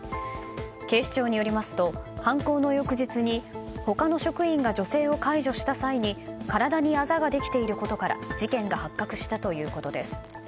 警視庁によりますと犯行の翌日に他の職員が女性を介助した際体にあざができていたことから事件が発覚したということです。